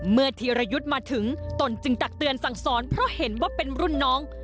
ธีรยุทธ์มาถึงตนจึงตักเตือนสั่งสอนเพราะเห็นว่าเป็นรุ่นน้อง